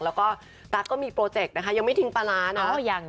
แล้วก็ตั๊กก็มีโปรเจกต์นะคะยังไม่ทิ้งปลาร้าเนาะ